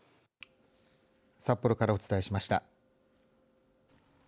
札幌からお伝えしました。